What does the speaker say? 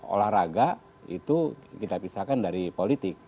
olahraga itu kita pisahkan dari politik